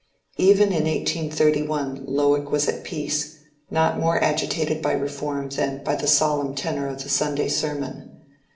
Even in 1831 Lowick was at peace, not more agitated by Reform than by the solemn tenor of the Sunday sermon.